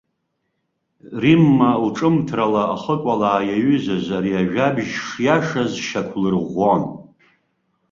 Римма лҿымҭрала ахыкәалаа иаҩызаз ари ажәабжь шиашаз шьақәлырӷәӷәон.